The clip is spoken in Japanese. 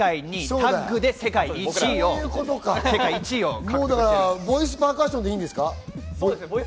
タッグボイスパーカッションでいいんですか？